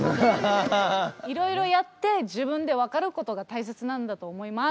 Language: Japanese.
いろいろやって自分で分かることが大切なんだと思います。